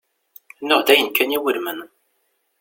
Nuɣ-d ayen kan iwulmen.